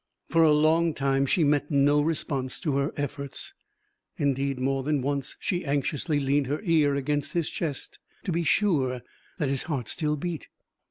For a long time she met no response to her efforts. Indeed, more than once she anxiously leaned her ear against his chest, to be sure that his heart still beat.